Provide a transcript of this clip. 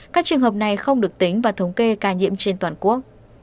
các trường hợp này không được tính và thống kê ca nhiễm trên toàn quốc